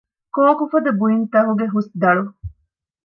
ކޯކުފަދަ ބުއިންތަކުގެ ހުސްދަޅު